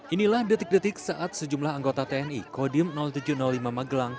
inilah detik detik saat sejumlah anggota tni kodim tujuh ratus lima magelang